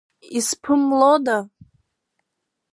Исԥымлода…